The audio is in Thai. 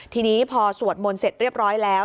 ทีนี้พอสวดมนต์เสร็จเรียบร้อยแล้ว